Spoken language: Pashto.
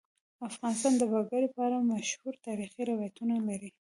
افغانستان د وګړي په اړه مشهور تاریخی روایتونه لري.